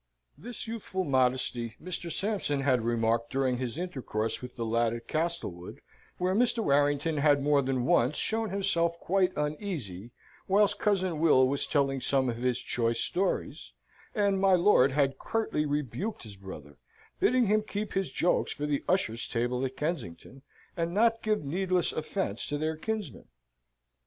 This youthful modesty Mr. Sampson had remarked during his intercourse with the lad at Castlewood, where Mr. Warrington had more than once shown himself quite uneasy whilst cousin Will was telling some of his choice stories; and my lord had curtly rebuked his brother, bidding him keep his jokes for the usher's table at Kensington, and not give needless offence to their kinsman.